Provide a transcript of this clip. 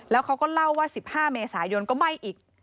แล้วเขาก็เล่าว่า๑๕เมษายนก็ไหม้อีก